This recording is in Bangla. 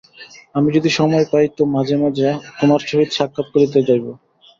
আমি যদি সময় পাই তো মাঝে মাঝে তোমার সহিত সাক্ষাৎ করিতে যাইব।